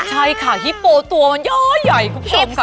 ใช่ค่ะฮิปโปตัวใหญ่คุณผู้ชมค่ะ